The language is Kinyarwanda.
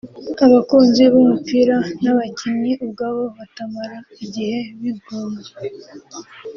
abakunzi b’umupira n’abakinnyi ubwabo batamara igihe bigunze